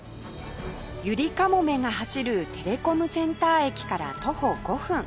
ゆりかもめが走るテレコムセンター駅から徒歩５分